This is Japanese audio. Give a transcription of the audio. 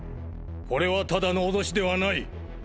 これはただの脅しではない。